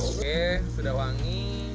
oke sudah wangi